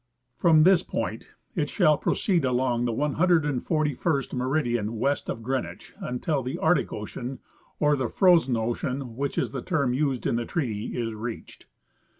From this point it shall proceed along the 141st meridian west of Greenwich until the Arctic ocean, or the " frozen ocean," which is the term used in the treaty, is reached.